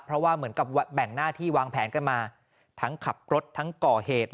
เพราะว่าเหมือนกับแบ่งหน้าที่วางแผนกันมาทั้งขับรถทั้งก่อเหตุ